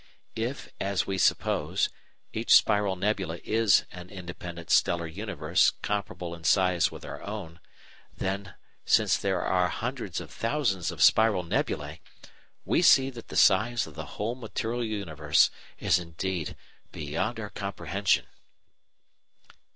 If, as we suppose, each spiral nebula is an independent stellar universe comparable in size with our own, then, since there are hundreds of thousands of spiral nebulæ, we see that the size of the whole material universe is indeed beyond our comprehension.